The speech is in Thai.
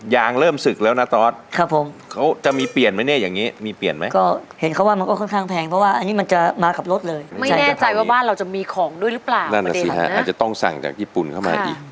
อย่างเริ่มสึกแล้วนะตอดครับผม